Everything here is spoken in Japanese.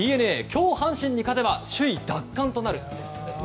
今日、阪神に勝てば首位奪還となる接戦ですね。